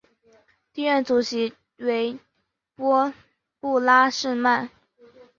第一任主席为布拉什曼。